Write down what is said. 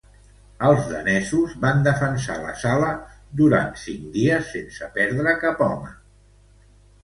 Els danesos van defensar la sala durant cinc dies sense perdre cap home.